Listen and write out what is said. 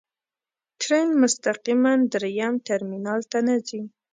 ټرین مستقیماً درېیم ټرمینل ته نه ځي.